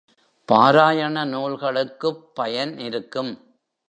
பாராயண நூல்களுக்குப் பயன் இருக்கும்.